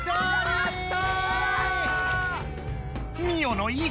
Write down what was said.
やった！